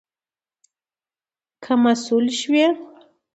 که مسؤول شوې